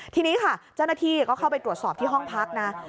ทีนี้ค่ะเจ้าหน้าที่ก็เข้าไปตรวจสอบที่ห้องพักนะ